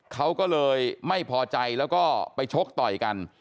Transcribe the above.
เขาก็เลยไม่พอใจแล้วก็ไปชกต่อยกัน